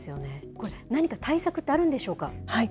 これ、何か対策ってあるんでしょうか。